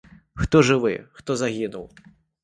Хто жывы, хто загінуў.